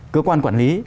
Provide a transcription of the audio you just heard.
cơ quan quản lý